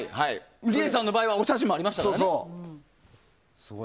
リエさんの場合はお写真もありましたからね。